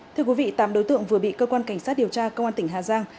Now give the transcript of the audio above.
thưa quý vị tám đối tượng vừa bị cơ quan cảnh sát điều tra công an tỉnh hà giang